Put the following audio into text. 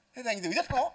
thế giành dự rất khó